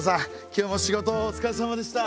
今日も仕事お疲れさまでした。